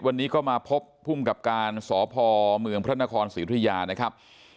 วันนี้ก็มาพบภูมิกับการสพเมืองพระนครศรีอุทยานะครับ